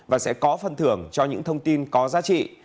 và sẽ có phần thưởng cho những thông tin có giá trị